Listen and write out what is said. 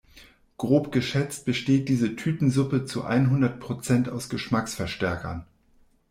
Grob geschätzt besteht diese Tütensuppe zu einhundert Prozent aus Geschmacksverstärkern.